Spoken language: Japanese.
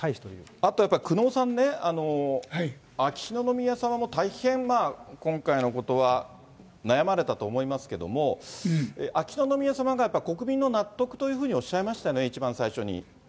あとやっぱり久能さんね、秋篠宮さまも、大変、今回のことは悩まれたと思いますけれども、秋篠宮さまが、国民の納得というふうにおっしゃいましたね、一番最初に。